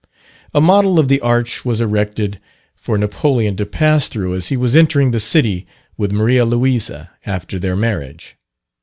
A model of the arch was erected for Napoleon to pass through as he was entering the city with Maria Louisa, after their marriage.